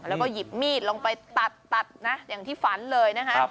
แล้วก็หยิบมีดลงไปตัดนะอย่างที่ฝันเลยนะคะ